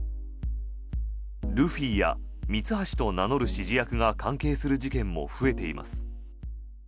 ルフィやミツハシと名乗る指示役が関係する事件も増えています。